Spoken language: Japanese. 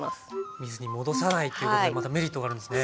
水に戻さないっていうことでまたメリットがあるんですね。